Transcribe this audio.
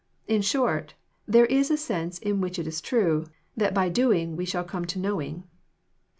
— In short, there is a sense in which it is true, that by doing Ve shalLcome to knowing.